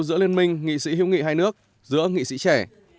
giữa liên minh nghị sĩ hữu nghị hai nước giữa nghị sĩ trẻ